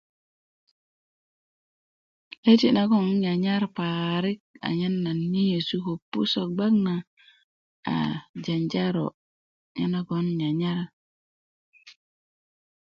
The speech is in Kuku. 'döti nagon nan nyanyar parik anyen nan yeyesu ko ̵pusök gbak na a janjaro nye nagon 'nnyanyar